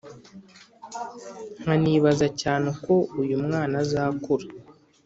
Nkanibaza cyane uko uyumwana azakura